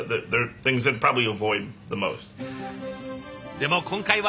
でも今回は？